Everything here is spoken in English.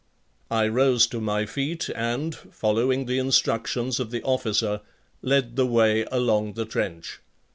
I rose to my feet and, following the instructions of the officer, led the way along the trench.